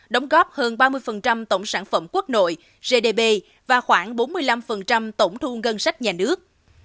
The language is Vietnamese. đóng góp hơn ba mươi tổng sản phẩm quốc nội gdp và khoảng bốn mươi năm tổng thu ngân sách nhà nước